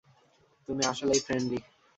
তুমি আসলেই ফ্রেন্ডলি।